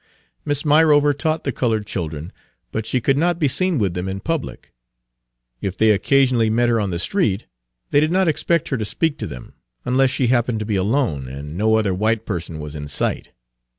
Miss Myrover taught the colored children, but she could not be seen with them in public. If they occasionally met her on the street, they did not expect her to speak to them, unless she happened to be alone and no other white person was in sight.